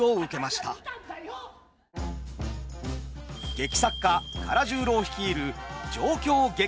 劇作家唐十郎率いる状況劇場。